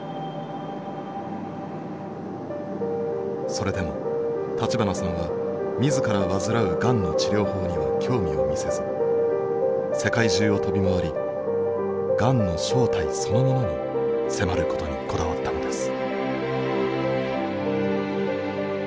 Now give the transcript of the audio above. それでも立花さんは自ら患うがんの治療法には興味を見せず世界中を飛び回りがんの正体そのものに迫ることにこだわったのです。